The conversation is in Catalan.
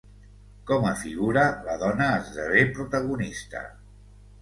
Com a figura, la dona esdevé protagonista.